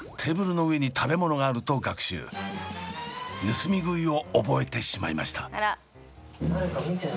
盗み食いを覚えてしまいました。